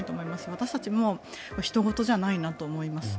私たちもひと事じゃないなと思います。